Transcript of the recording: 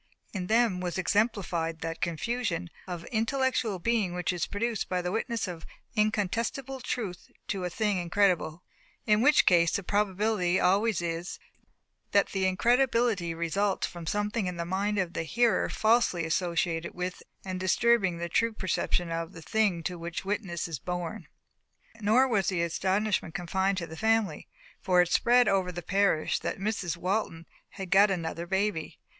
In them was exemplified that confusion of the intellectual being which is produced by the witness of incontestable truth to a thing incredible in which case the probability always is, that the incredibility results from something in the mind of the hearer falsely associated with and disturbing the true perception of the thing to which witness is borne. Nor was the astonishment confined to the family, for it spread over the parish that Mrs. Walton had got another baby.